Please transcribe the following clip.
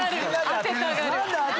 当てたがる！